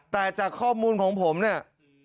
แต่จากข้อมูลของผมเนี่ย